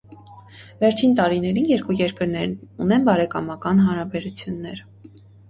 Վերջին տարիներին երկու երկրներն ունեն բարեկամական հարաբերություններ։